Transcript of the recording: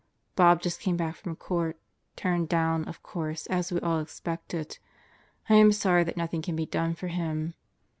... Bob just came back from Court turned down, of course, as we all expected. I am sorry that nothing can be done for him.